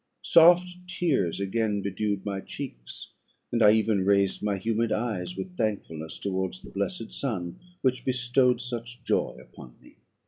Soft tears again bedewed my cheeks, and I even raised my humid eyes with thankfulness towards the blessed sun which bestowed such joy upon me.